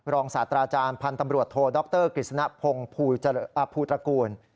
ศาสตราจารย์พันธ์ตำรวจโทดรกฤษณพงศ์ภูตระกูล